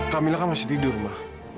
kamilah kan masih tidur ma